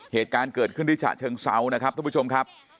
เหตุการณ์เกิดขึ้นที่ฉะเชิงเซานะครับทุกผู้ชมครับ